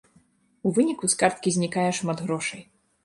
У выніку з карткі знікае шмат грошай.